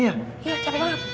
iya capek banget